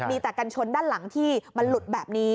มีแต่กันชนด้านหลังที่มันหลุดแบบนี้